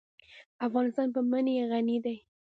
افغانستان په منی غني دی.